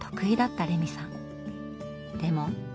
でも。